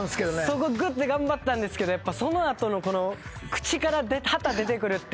そこぐって頑張ったんですけどその後の口から旗出てくるっていう。